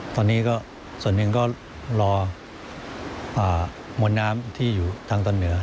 ตอนนี้ก็ส่วนหนึ่งก็รอมวลน้ำที่อยู่ทางตอนเหนือ